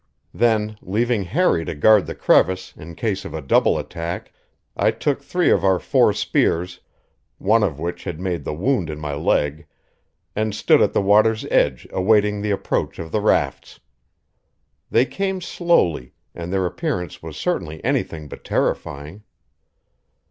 Then, leaving Harry to guard the crevice in case of a double attack, I took three of our four spears one of which had made the wound in my leg and stood at the water's edge awaiting the approach of the rafts. They came slowly, and their appearance was certainly anything but terrifying.